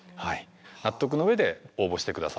納得の上で応募して下さいと。